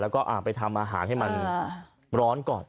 แล้วก็ไปทำอาหารให้มันร้อนก่อน